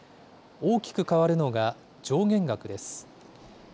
大きく変わるのが上限額です。